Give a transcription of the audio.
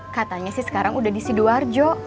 katanya sih sekarang udah di sidoarjo